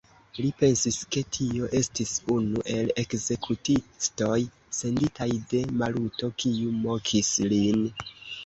Li pensis, ke tio estis unu el ekzekutistoj, senditaj de Maluto, kiu mokis lin.